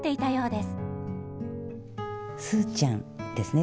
「すーちゃん」ですね。